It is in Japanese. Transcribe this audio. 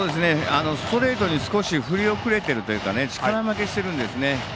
ストレートに少し振り遅れているというか力負けしてるんですよね。